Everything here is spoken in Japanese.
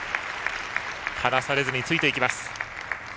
離されずに、ついていきます。